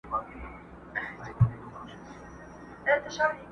عزیز دي راسي د خپلوانو شنه باغونه سوځي!!